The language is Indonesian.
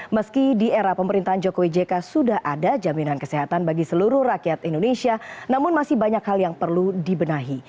meski di era pemerintahan jokowi jk sudah ada jaminan kesehatan bagi seluruh rakyat indonesia namun masih banyak hal yang perlu dibenahi